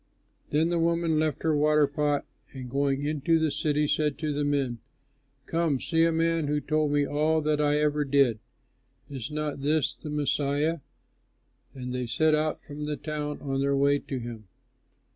Then the woman left her water pot and going into the city said to the men, "Come, see a man who told me all that I ever did. Is not this the Messiah?" And they set out from the town on their way to him.